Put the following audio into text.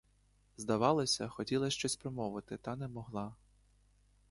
Здавалося, хотіла щось промовити, та не могла.